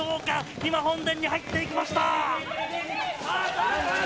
今、本殿に入っていきました！